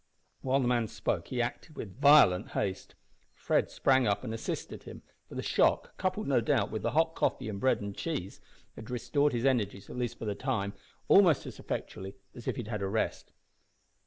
While the man spoke he acted with violent haste. Fred sprang up and assisted him, for the shock coupled, no doubt, with the hot coffee and bread and cheese had restored his energies, at least for the time, almost as effectually as if he had had a rest.